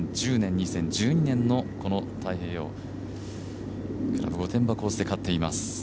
２０１０年、２０１２年の太平洋クラブ御殿場コースで勝っています。